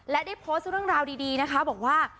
และได้โพสต์เรื่องราวดีนะคะบอกว่า